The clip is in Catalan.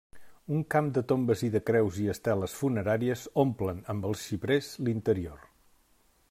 Un camp de tombes i de creus i esteles funeràries omplen amb els xiprers l'interior.